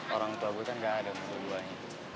orang tua gue kan nggak ada untuk dua duanya